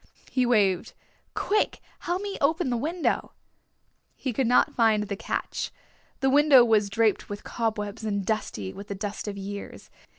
He waved. "Quick, help me open the window." He could not find the catch. The window was draped with cobwebs and dusty with the dust of years.